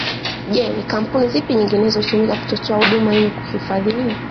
Je ni kampuni zipi nyinginezo hutumika kutotoa huduma hiyo hifadhini